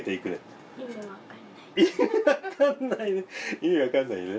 意味わかんないね！